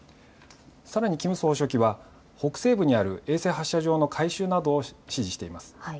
さらにキム総書記は北西部にある衛星発射場の改修などを指示しています。